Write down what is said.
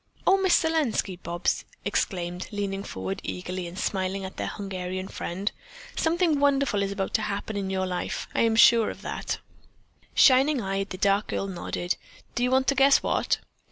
"Oh, Miss Selenski," Bobs exclaimed, leaning forward eagerly and smiling at their Hungarian friend, "something wonderful is about to happen in your life, I am sure of that." Shining eyed, the dark girl nodded. "Do you want to guess what?"